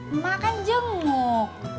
emak kan jenguk